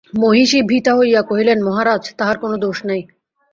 মহিষী ভীতা হইয়া কহিলেন, মহারাজ, তাহার কোনো দোষ নাই।